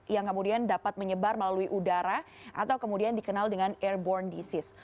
yang kemudian dapat menyebar melalui udara atau kemudian dikenal dengan airborne disease